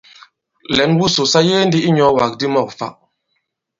Lɛ̌n wusò sa yege ndī i inyɔ̄ɔwàk di mɔ̂k fa.